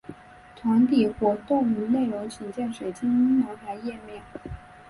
团体活动内容请见水晶男孩页面。